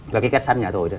và cái kết sắt nhà tôi đó